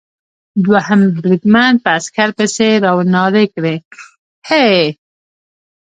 دوهم بریدمن په عسکر پسې را و نارې کړې: هې!